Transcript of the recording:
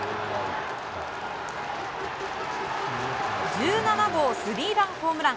１７号スリーランホームラン。